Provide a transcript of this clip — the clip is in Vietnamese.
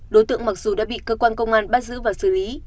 đối tượng mặc dù đã bị cơ quan công an bắt giữ và xử lý